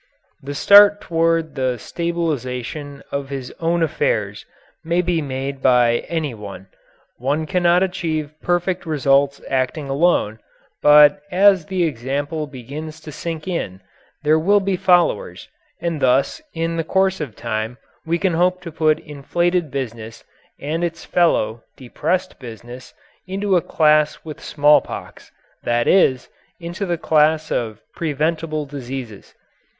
The start toward the stabilization of his own affairs may be made by any one. One cannot achieve perfect results acting alone, but as the example begins to sink in there will be followers, and thus in the course of time we can hope to put inflated business and its fellow, depressed business, into a class with small pox that is, into the class of preventable diseases.